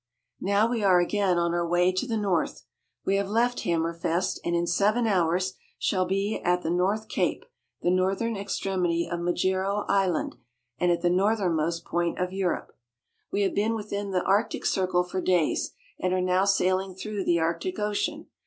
Now we are again on our way to the north. We have CARP. EUROPE — II 172 SCANDINAVIA. left Hammerfest, and in seven hours we shall be at the North Cape, the northern extremity of Magero Island and at the northernmost point of Europe. We have been within the Arctic Circle for days, and are now sailing through the Arctic Ocean.